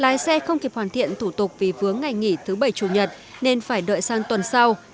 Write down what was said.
lái xe không kịp hoàn thiện thủ tục vì vướng ngày nghỉ thứ bảy chủ nhật nên phải đợi sang tuần sau